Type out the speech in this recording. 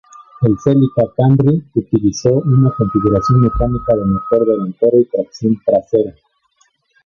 El Celica Camry, utilizó una configuración mecánica de motor delantero y tracción trasera.